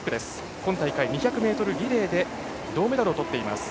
今大会、２００ｍリレーで銅メダルをとっています。